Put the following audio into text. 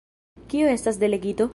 Kio estas delegito?